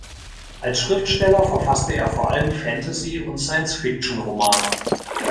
Als Schriftsteller verfasste er vor allem Fantasy- und Science Fiction-Romane.